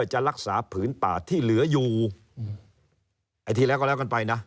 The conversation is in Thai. หนึ่ง